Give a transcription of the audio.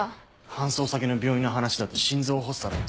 搬送先の病院の話だと心臓発作だって。